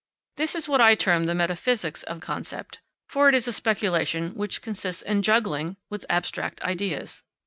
This is what I term the metaphysics of concept, for it is a speculation which consists in juggling with abstract ideas.